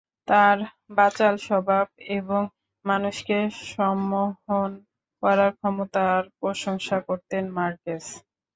তাঁর বাচাল স্বভাব এবং মানুষকে সম্মোহন করার ক্ষমতার প্রশংসা করতেন মার্কেস।